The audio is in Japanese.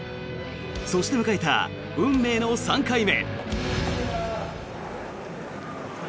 そして、迎えた運命の３回目。